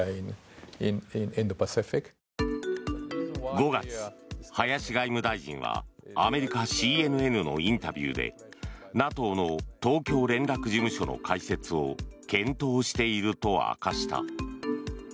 ５月、林外務大臣はアメリカＣＮＮのインタビューでＮＡＴＯの東京連絡事務所の開設を検討していると明かした。